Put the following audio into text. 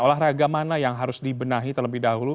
olahraga mana yang harus dibenahi terlebih dahulu